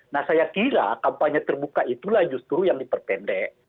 nah saya kira kampanye terbuka itulah justru yang diperpendek